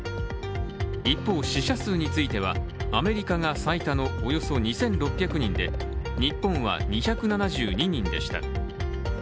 一方、死者数については、アメリカが最多のおよそ２６００人で日本は２７２人でした。